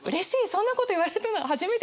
そんなこと言われたの初めてだよ」。